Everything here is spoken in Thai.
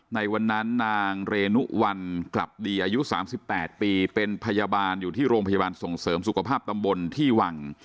ในวันนั้นนางเรนุวัลกลับดีอายุ๓๘ปีเป็นพยาบาลอยู่ที่โรงพยาบาลส่งเสริมสุขภาพตำบลที่วัง